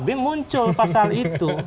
bim muncul pasal itu